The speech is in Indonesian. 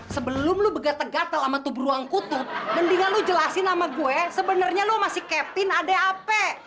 sebelum lu begat egatel sama tubur uang kutub mendingan lu jelasin sama gue sebenarnya lu sama si kevin ada apa